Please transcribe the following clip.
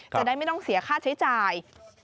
จะได้ไม่ต้องเสียค่าใช้จ่าย